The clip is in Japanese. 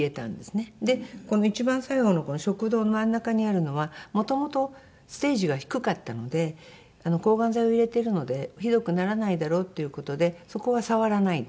でこの一番最後の食道の真ん中にあるのはもともとステージが低かったので抗がん剤を入れてるのでひどくならないだろうという事でそこは触らないで。